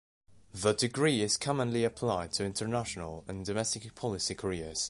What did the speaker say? The degree is commonly applied to international and domestic policy careers.